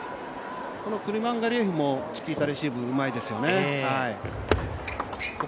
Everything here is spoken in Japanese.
このクルマンガリエフもチキータレシーブうまいですよね。